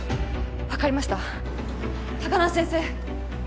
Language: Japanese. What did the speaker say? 分かりました高輪先生